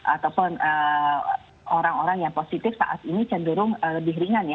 ataupun orang orang yang positif saat ini cenderung lebih ringan ya